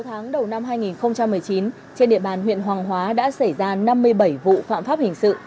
sáu tháng đầu năm hai nghìn một mươi chín trên địa bàn huyện hoàng hóa đã xảy ra năm mươi bảy vụ phạm pháp hình sự